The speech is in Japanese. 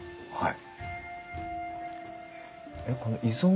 はい。